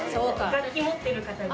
楽器持ってる方が。